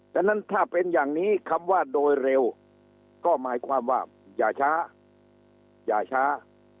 ดังนั้นถ้าเป็นอย่างนี้คำว่าโดยเร็วก็หมายความว่าอย่าช้าอย่าช้า